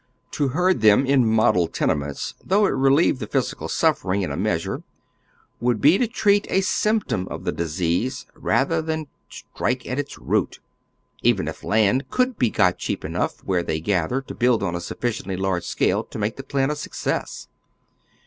To herd tliem in model tene ments, though it relieve the physical suffering in a meas ure, would be to treat a symptom of the disease rather than strike at its root, even if land could be got cheap enough where they gather to build on a sufficiently lai'ge scale to make the plan a success.